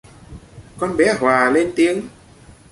Con bé Hòa lên tiếng